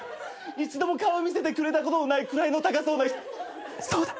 一度も顔を見せてくれたことのない位の高そうな人そうだ